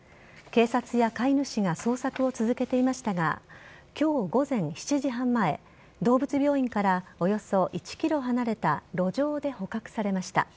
警察や飼い主が捜索を続けていましたが今日午前７時半前動物病院からおよそ１ｋｍ離れた路上で捕獲されました。